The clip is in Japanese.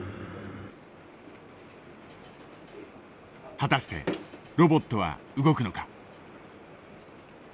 果たしてロボットは動くのか。